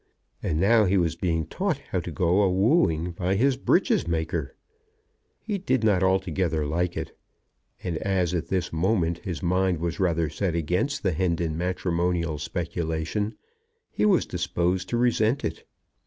And now he was being taught how to go a wooing by his breeches maker! He did not altogether like it, and, as at this moment his mind was rather set against the Hendon matrimonial speculation, he was disposed to resent it.